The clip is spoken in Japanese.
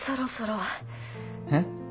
えっ！